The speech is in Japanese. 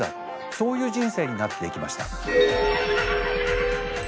そういう人生になっていきました。